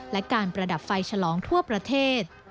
และการประดับไฟฉลองทั่วประเทศ